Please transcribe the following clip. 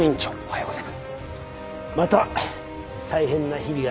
はい。